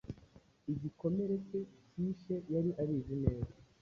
Igikomere cye cyishe yari abizi neza